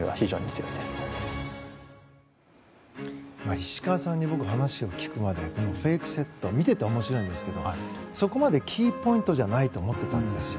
石川さんに僕、話を聞くまでフェイクセット見ていて面白いんですけどそこまでキーポイントじゃないと思ってたんですよ。